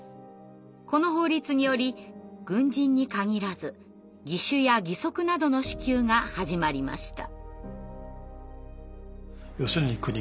この法律により軍人に限らず義手や義足などの支給が始まりました。